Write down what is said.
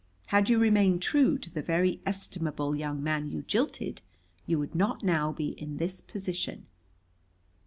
Had you remained true to the very estimable young man you jilted you would not now be in this position."